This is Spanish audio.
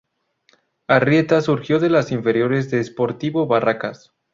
Arrieta, surgió de las inferiores de Sportivo Barracas.